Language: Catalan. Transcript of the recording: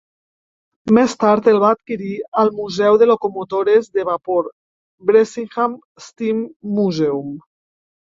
Més tard, el va adquirir el museu de locomotores de vapor Bressingham Steam Museum.